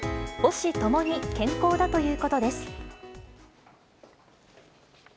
母子共に健康だということです。